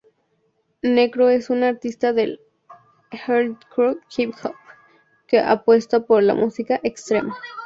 Necro es un artista del "hardcore hip hop" que apuesta por la música extrema.